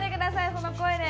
その声で。